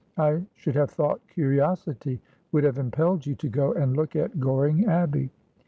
I should have thought curiosity would have impelled you to go and look at Goring Abbey.